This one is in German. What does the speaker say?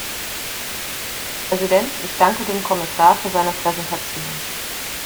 Herr Präsident, ich danke dem Kommissar für seine Präsentation.